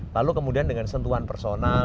lalu kemudian dengan sentuhan personal